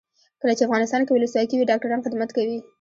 کله چې افغانستان کې ولسواکي وي ډاکټران خدمت کوي.